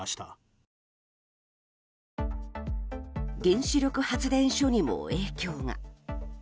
原子力発電所にも影響が。